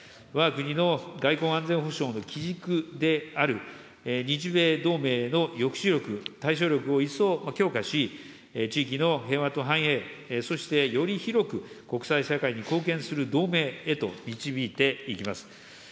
わが国の外交安全保障の基軸である、日米同盟の抑止力、対処力を一層強化し、地域の平和と繁栄、そして、より広く国際社会に貢献する同盟へと導いていきます。